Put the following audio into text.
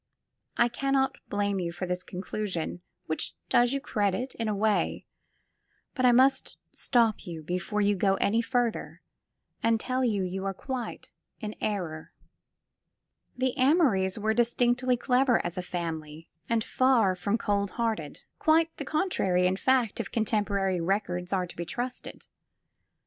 I cannot blame you for this conclusion, which does you credit, in a way, but I must stop you before you go any further and tell you that you are quite in error. The Amorys were distinctly clever, as a family, and far from cold 175 SQUARE PEGGY hearted. Quite the contrary, in fact, if contemporary records are to be trusted.